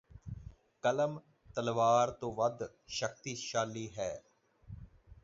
ਕਲਮ ਤਲਵਾਰ ਤੋਂ ਵੱਧ ਸ਼ਕਤੀ ਸ਼ਾਲੀ ਹੈ